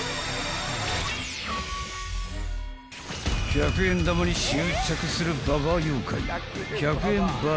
［１００円玉に執着するババア妖怪］